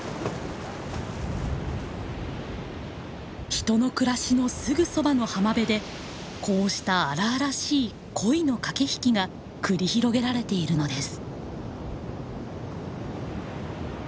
人の暮らしのすぐそばの浜辺でこうした荒々しい恋の駆け引きが繰り広げられているのです。